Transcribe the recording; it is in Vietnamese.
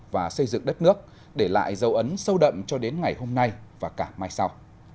và xây dựng đất nước để lại dấu ấn sâu đậm cho đến ngày hôm nay và cả mai sau